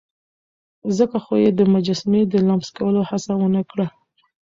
ځکه خو يې د مجسمې د لمس کولو هڅه ونه کړه.